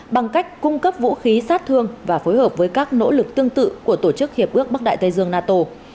bằng cách cung cấp vũ khí sát thương và phối hợp với các nỗ lực tương tự của tổ chức hiệp ước bắc đại tây dương nato